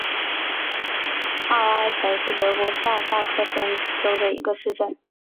奥埃岑是德国下萨克森州的一个市镇。